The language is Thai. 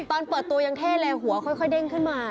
ตอนเปิดตัวยังเท่เลยหัวค่อยเด้งขึ้นมา